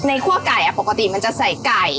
คั่วไก่ปกติมันจะใส่ไก่